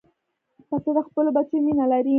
پسه د خپلو بچیو مینه لري.